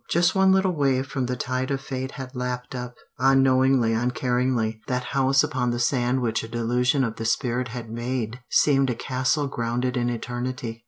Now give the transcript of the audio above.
Just one little wave from the tide of fate had lapped up, unknowingly, uncaringly, that house upon the sand which a delusion of the spirit had made seem a castle grounded in eternity.